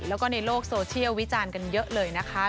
แล้วก็ในโลกโซเชียลวิจารณ์กันเยอะเลยนะคะ